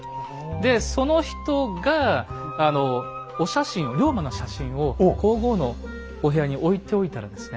でその人がお写真を龍馬の写真を皇后のお部屋に置いておいたらですね